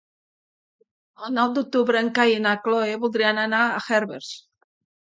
El nou d'octubre en Cai i na Cloè voldrien anar a Herbers.